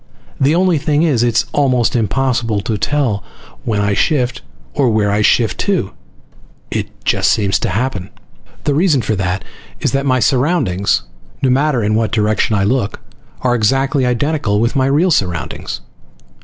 The only thing is, it's almost impossible to tell when I shift, or where I shift to. It just seems to happen. The reason for that is that my surroundings, no matter in what direction I look, are exactly identical with my real surroundings.